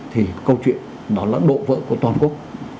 thì câu chuyện đó là độ vỡ của toàn quốc